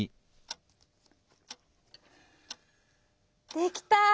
できた。